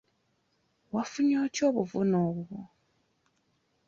Wafunye otya obuvune obwo?